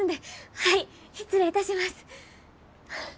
はい失礼いたします。